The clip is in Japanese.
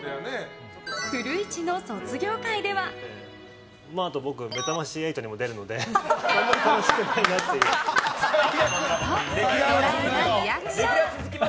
古市の卒業回では。と、ドライなリアクション。